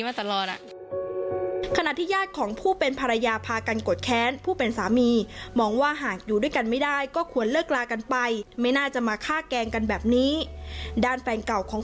ว่าติดต่อพูดคุยกับฝ่ายอยิ้งจริง